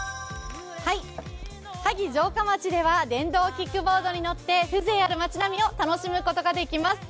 萩城下町では電動キックボードに乗って風情ある町並みを楽しむことができます。